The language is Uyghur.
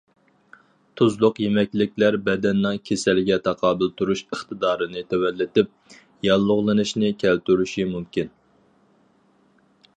تۇزلۇق يېمەكلىكلەر بەدەننىڭ كېسەلگە تاقابىل تۇرۇش ئىقتىدارىنى تۆۋەنلىتىپ، ياللۇغلىنىشنى كەلتۈرۈشى مۇمكىن.